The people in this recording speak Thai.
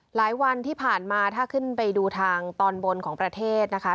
หลายวันที่ผ่านมาถ้าขึ้นไปดูทางตอนบนของประเทศนะคะ